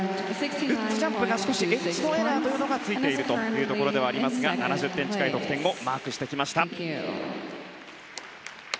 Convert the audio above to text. ルッツジャンプが少しエッジのエラーというのがついているというところではありますが７０点近い得点をマークしてきました。